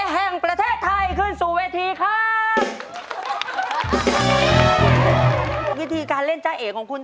สงสัยย์มาก